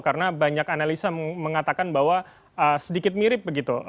karena banyak analisa mengatakan bahwa sedikit mirip begitu